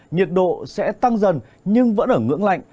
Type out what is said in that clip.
nhiệt độ sẽ tăng dần nhưng vẫn ở ngưỡng lạnh